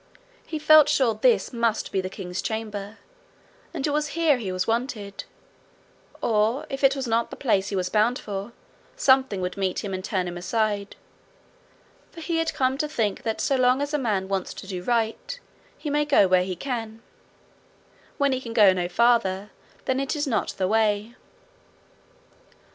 He felt sure this must be the king's chamber, and it was here he was wanted; or, if it was not the place he was bound for, something would meet him and turn him aside; for he had come to think that so long as a man wants to do right he may go where he can: when he can go no farther, then it is not the way.